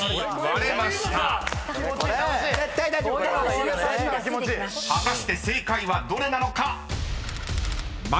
［果たして正解はどれなのか？］